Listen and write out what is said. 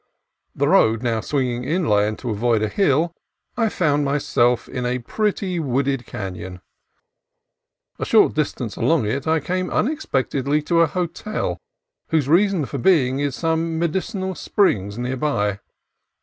The road now swinging inland to avoid a hill, I found myself in a pretty, wooded canon. A short distance along it I came unexpectedly to a hotel, whose reason for being is some medicinal springs near by.